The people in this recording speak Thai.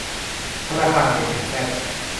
ธนาคารเอเอ็นแซด